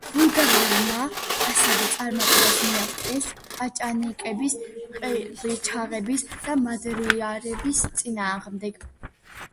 ბულგარებმა ასევე წარმატებას მიაღწიეს პაჭანიკების, ყივჩაღების და მადიარების წინააღმდეგ.